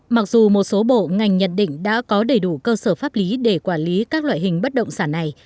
mặc dù một số bộ ngành nhận định đã có đầy đủ cơ sở pháp lý để quản lý các loại hình bất động sản này